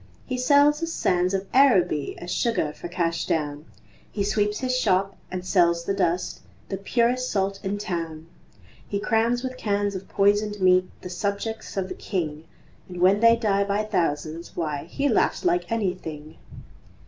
He sells us sands of Araby As sugar for cash down; He sweeps his shop and sells the dust The purest salt in town, He crams with cans of poisoned meat Poor subjects of the King, And when they die by thousands Why, he laughs like anything.